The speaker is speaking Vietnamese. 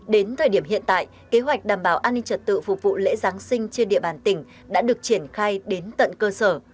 đến thời điểm hiện tại kế hoạch đảm bảo an ninh trật tự phục vụ lễ giáng sinh trên địa bàn tỉnh đã được triển khai đến tận cơ sở